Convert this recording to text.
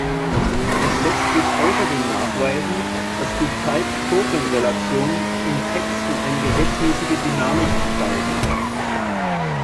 Es lässt sich außerdem nachweisen, dass die Type-Token-Relation in Texten eine gesetzmäßige Dynamik entfaltet.